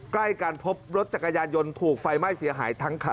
ใกล้กันพบรถจักรยานยนต์ถูกไฟไหม้เสียหายทั้งคัน